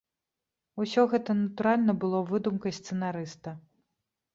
Усё гэта, натуральна, было выдумкай сцэнарыста.